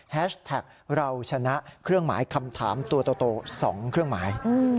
แท็กเราชนะเครื่องหมายคำถามตัวโต๒เครื่องหมาย